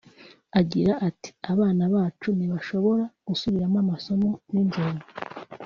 Agira ati “Abana bacu ntibashobora gusubiramo amasomo nijoro